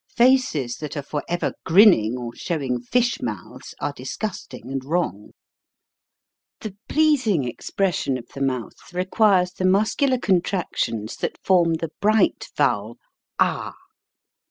Faces that are for ever grinning or showing fish mouths are dis gusting and wrong. 218 THE VOWEI^SOUND AH 219 The pleasing expression of the mouth requires the muscular contractions that form the bright vowel ah.